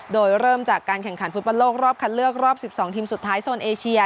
โดยเริ่มจากการแข่งขันฟุตบอลโลกรอบคัดเลือกรอบ๑๒ทีมสุดท้ายโซนเอเชีย